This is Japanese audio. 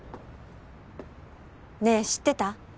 ねえ知ってた？